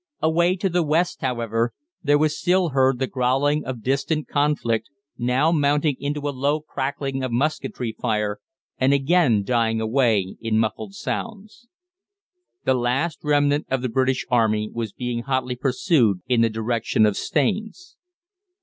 Away to the west, however, there was still heard the growling of distant conflict, now mounting into a low crackling of musketry fire, and again dying away in muffled sounds. The last remnant of the British Army was being hotly pursued in the direction of Staines.